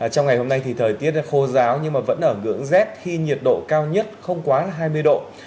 trong ngày hôm nay thì thời tiết khô giáo nhưng mà vẫn ở ngưỡng rét khi nhiệt độ cao nhất không quá hai mươi độ